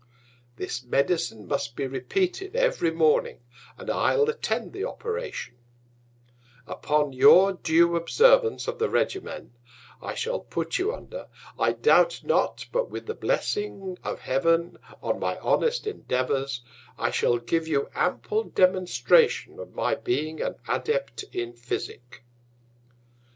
This Medicine must be repeated every Morning, and I'll attend the Operation: Upon your due Observance of the Regimen I shall put you under, I doubt not, but with the Blessing of Heav'n on my honest Endeavours, I shall give you ample Demonstration of my being an Adept in Physick.